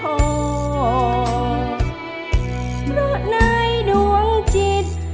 เพราะในดวงจิต